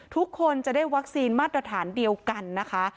ทุกคนจะได้วัคซีนมาตรฐานเดียวกันนะคะ